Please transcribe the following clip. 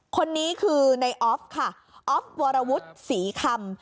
คนนี้คือในออฟค่ะออฟวรวุฒิศรีคำ